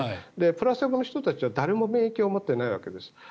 プラセボの人たちは誰も免疫を持っていないわけです。